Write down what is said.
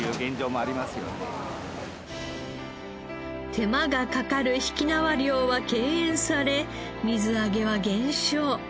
手間がかかる曳縄漁は敬遠され水揚げは減少。